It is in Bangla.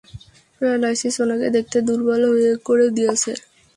প্যারালাইসিস ওনাকে দেখতে দুর্বল করে দিয়েছে।